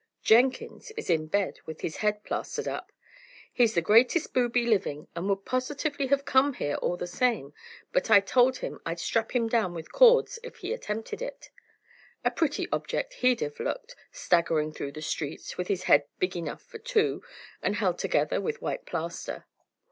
"Jenkins is in bed with his head plastered up. He's the greatest booby living, and would positively have come here all the same, but I told him I'd strap him down with cords if he attempted it. A pretty object he'd have looked, staggering through the streets, with his head big enough for two, and held together with white plaster!"